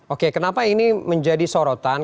oke kenapa ini menjadi sorotan